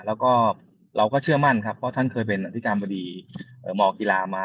แล้วก็เราก็เชื่อมั่นครับเพราะท่านเคยเป็นอธิการบดีมกีฬามา